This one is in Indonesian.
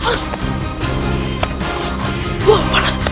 baiklah kita lagi menjadi k like